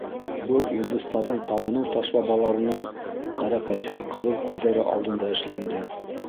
Был индустарҙың табыныу ташбабаларының хәрәкәтһеҙ ҡыҙыл күҙҙәре алдында эшләнде.